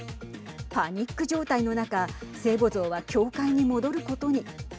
パニック状態の中聖母像は教会に戻ることに。